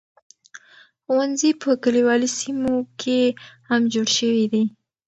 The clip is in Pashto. ښوونځي په کليوالي سیمو کې هم جوړ شوي دي.